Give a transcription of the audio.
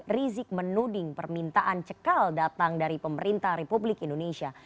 rizik menuding permintaan cekal datang dari pemerintah republik indonesia